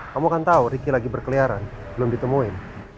kamu kan tahu riki lagi berkeliaran belum ditemuin